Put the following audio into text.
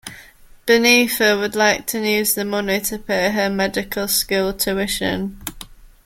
Beneatha would like to use the money to pay her medical school tuition.